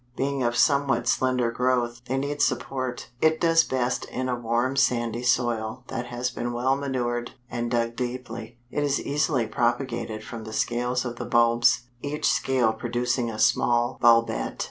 Being of somewhat slender growth, they need support. It does best in a warm sandy soil that has been well manured and dug deeply. It is easily propagated from the scales of the bulbs, each scale producing a small bulbet.